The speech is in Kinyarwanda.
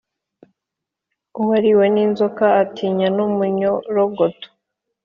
Uwariwe n’inzoka atinya n’umunyorogoto.